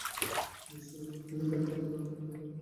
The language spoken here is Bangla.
বিশুর রুম থেকে ব্যাগপত্র নিয়ে চলে যাব।